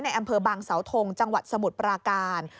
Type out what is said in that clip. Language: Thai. อำเภอบางเสาทงจังหวัดสมุทรปราการ